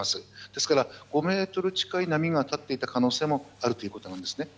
ですから、５ｍ近い波が立っていた可能性もあるということなんです。